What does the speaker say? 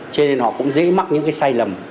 cho nên họ cũng dễ mắc những cái sai lầm